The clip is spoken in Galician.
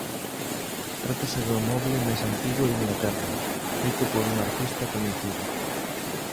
Trátase do moble máis antigo de Inglaterra feito por un artista coñecido.